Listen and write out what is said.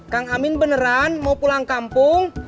kang amin beneran mau pulang kampung